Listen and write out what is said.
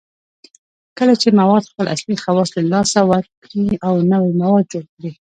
کله چې مواد خپل اصلي خواص له لاسه ورکړي او نوي مواد جوړ کړي